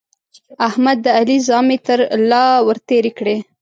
احمد د علي زامې تر له ور تېرې کړې.